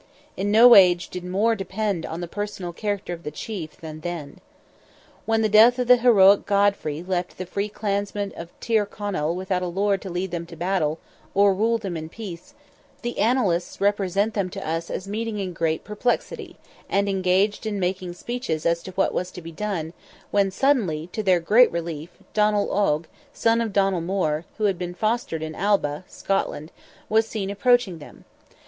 In no age did more depend on the personal character of the chief than then. When the death of the heroic Godfrey left the free clansmen of Tyrconnell without a lord to lead them to battle, or rule them in peace, the Annalists represent them to us as meeting in great perplexity, and engaged "in making speeches" as to what was to be done, when suddenly, to their great relief, Donnell Oge, son of Donnell More, who had been fostered in Alba (Scotland), was seen approaching them.